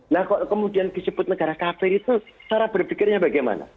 nah kalau kemudian disebut negara kafir itu cara berpikirnya bagaimana